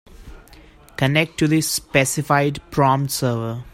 Connect to the specified prompt server.